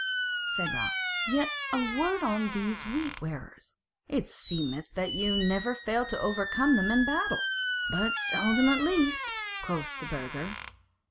Said Ralph: "Yet a word on these Wheat wearers; it seemeth that ye never fail to overcome them in battle?" "But seldom at least," quoth the Burgher.